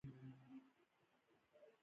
ایا زه باید میلمستیا ته لاړ شم؟